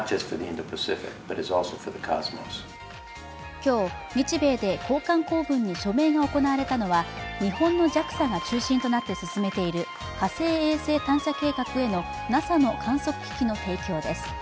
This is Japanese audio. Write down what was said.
今日、日米で交換公文に署名が行われたのは日本のＪＡＸＡが中心となって進めている火星衛星探査計画へのＮＡＳＡの観測機器の提供です。